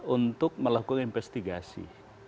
untuk melakukan investigasi